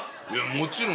もちろん。